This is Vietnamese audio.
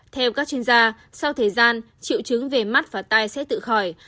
theo các chuyên gia sau thời gian triệu chứng về mắt và tai sẽ tự khỏi